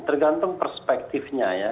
tergantung perspektifnya ya